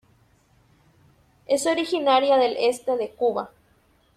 Es originaria del este de Cuba.